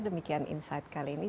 demikian insight kali ini